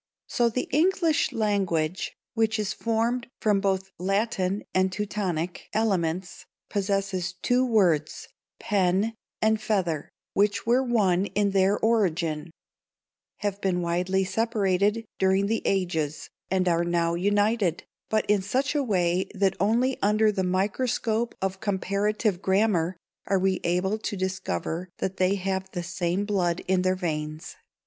So the English language, which is formed from both Latin and Teutonic elements, possesses two words, pen, and feather, which were one in their origin, have been widely separated during the ages, and now are united, but in such a way that only under the microscope of comparative grammar are we able to discover that they have the same blood in their veins.